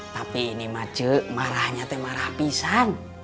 tapi ini ma ce marahnya teh marah pisang